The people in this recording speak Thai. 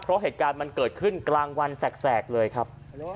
เพราะเหตุการณ์มันเกิดขึ้นกลางวันแสกเลยครับ